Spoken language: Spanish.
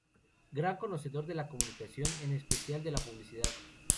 Gran conocedor de la comunicación, en especial de la publicidad.